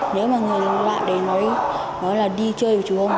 nếu mà người lạ để nói là đi chơi với chú hùng